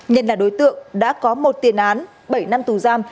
nhân là đối tượng đã có một tiền án bảy năm tù giam